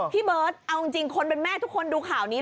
พี่เบิร์ตเอาจริงคนเป็นแม่ทุกคนดูข่าวนี้